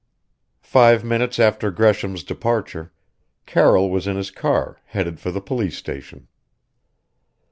Five minutes after Gresham's departure, Carroll was in his car, headed for the police station.